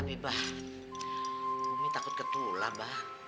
tapi bah umi takut ketulah bah